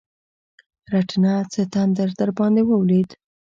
رټنه؛ څه تندر درباندې ولوېد؟!